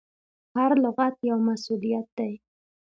هر لغت یو مسؤلیت دی.